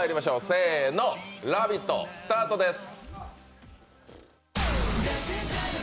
せーの、「ラヴィット！」スタートです。